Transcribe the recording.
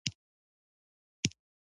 له ښځو څخه د عمومي حوزې پاکول.